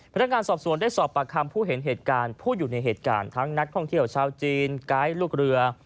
พนักงานสอบสวนได้สอบปากคำผู้เห็นเหตุการณ์ผู้อยู่ในเหตุการณ์ทั้งนักท่องเที่ยวชาวจีนไกด์ลูกเรือ